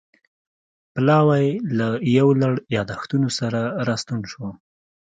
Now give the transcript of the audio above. پلاوی له یو لړ یادښتونو سره راستون شو